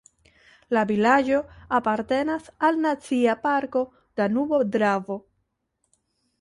La vilaĝo apartenas al Nacia parko Danubo-Dravo.